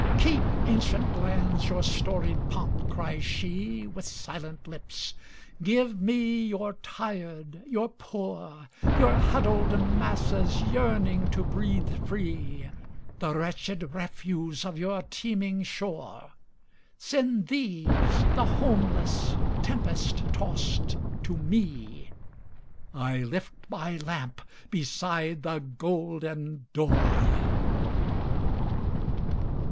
"Keep, ancient lands, your storied pomp!" cries she With silent lips. "Give me your tired, your poor, Your huddled masses yearning to be free, The wretched refuse of your teeming shore. Send these, the homeless, tempest tost to me, I lift my lamp beside the golden door!"